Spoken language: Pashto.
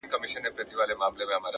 د نورو مرسته انسان بډای کوي.